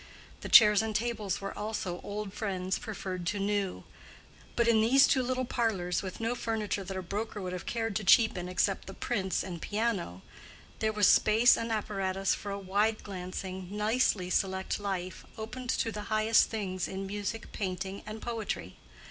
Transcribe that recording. The chairs and tables were also old friends preferred to new. But in these two little parlors with no furniture that a broker would have cared to cheapen except the prints and piano, there was space and apparatus for a wide glancing, nicely select life, opened to the highest things in music, painting and poetry.